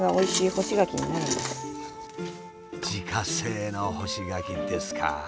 自家製の干し柿ですか。